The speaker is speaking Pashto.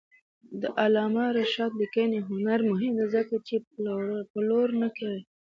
د علامه رشاد لیکنی هنر مهم دی ځکه چې پلور نه کوي.